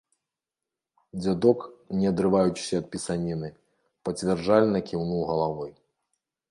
Дзядок, не адрываючыся ад пісаніны, пацвярджальна кіўнуў галавой.